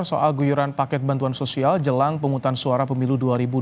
soal guyuran paket bantuan sosial jelang penghutang suara pemilu dua ribu dua puluh